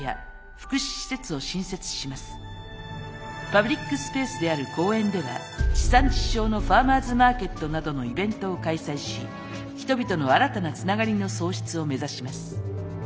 パブリックスペースである公園では地産地消のファーマーズマーケットなどのイベントを開催し人々の新たなつながりの創出を目指します。